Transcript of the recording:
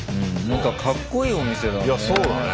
何かかっこいいお店だね。